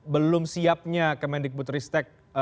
belum siapnya kmnd kebutristek